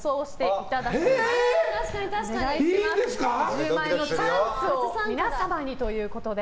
１０万円のチャンスを皆様にということで。